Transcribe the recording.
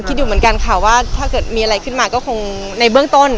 อยู่เหมือนกันค่ะว่าถ้าเกิดมีอะไรขึ้นมาก็คงในเบื้องต้น